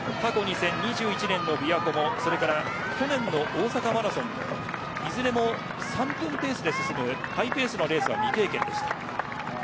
２１年のびわ湖も去年の大阪マラソンもいずれも３分ペースで進むハイペースなレースは未経験でした。